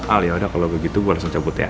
ah yaudah kalau begitu gue langsung cabut ya